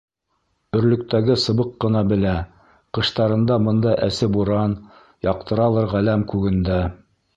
Өрлөктәге сыбыҡ ҡына белә Ҡыштарында бында әсе буран, Яҡтыралыр Ғаләм күгендә.